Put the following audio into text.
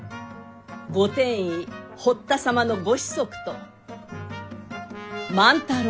御殿医堀田様の御子息と万太郎が。